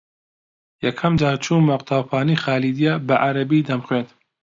یەکەم جار چوومە قوتابخانەی خالیدیە بە عەرەبی دەمخوێند